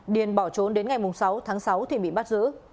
điền bỏ trốn đến ngày sáu tháng sáu thì bị bắt giữ